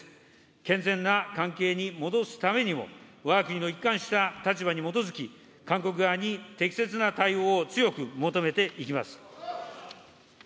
健全な関係に戻すためにも、わが国の一貫した立場に基づき、韓国側に適切な対応を強く求めていきます。